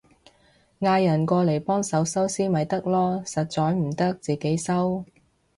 嗌人過嚟幫手收屍咪得囉，實在唔得自己收